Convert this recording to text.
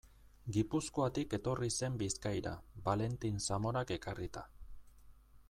Gipuzkoatik etorri zen Bizkaira, Valentin Zamorak ekarrita.